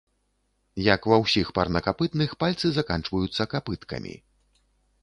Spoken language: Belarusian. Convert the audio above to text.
Як ва ўсіх парнакапытных, пальцы заканчваюцца капыткамі.